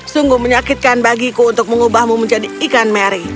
sungguh menyakitkan bagiku untuk mengubahmu menjadi ikan mary